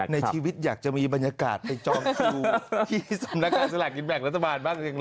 ในชีวิตอยากจะมีบรรยากาศไปจองคิวที่สำนักการณ์สลักกิจแบ่งรัฐบาลบ้าง